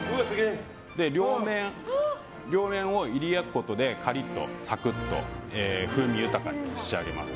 両面をいり焼くことでカリッとさくっと風味豊かに仕上げます。